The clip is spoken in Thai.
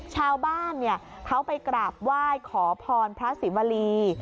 ชาวบ้านเขาไปกราบไหว้ขอพรพระศรีวรี